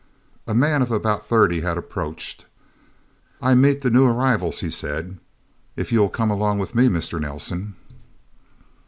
A man of about thirty had approached. "I meet the new arrivals," he said. "If you'll come along with me, Mr. Nelsen..."